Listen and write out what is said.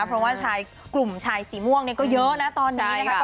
เพราะว่ากลุ่มชายสีม่วงก็เยอะนะตอนนี้นะครับ